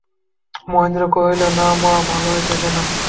মহেন্দ্র কহিল, না মা, ভালো হইতেছে না।